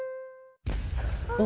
お？